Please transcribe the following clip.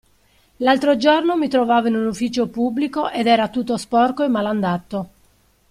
L'altro giorno mi trovavo in un ufficio pubblico ed era tutto sporco e malandato.